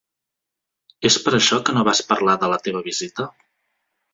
És per això que no vas parlar de la teva visita?